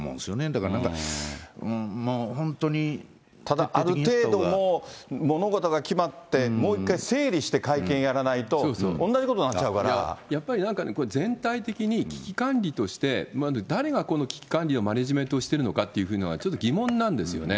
だからなんか、ただ、ある程度の物事が決まって、もう一回整理して会見やらないと、やっぱりなんかね、全体的に危機管理として、誰がこの危機管理をマネジメントをしてるのかっていうのがちょっと疑問なんですよね。